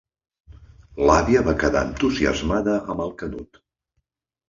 L'àvia va quedar entusiasmada amb el Canut.